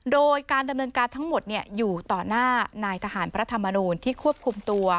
โดยการดำเนินการทั้งหมดอยู่ต่อหน้านายทหารพระธรรมนูลที่ควบคุมตัว